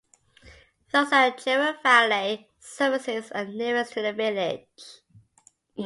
Those at Cherwell Valley services are the nearest to the village.